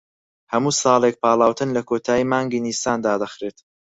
هەموو ساڵێک پاڵاوتن لە کۆتایی مانگی نیسان دادەخرێت